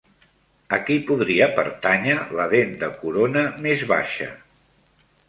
A qui podria pertànyer la dent de corona més baixa?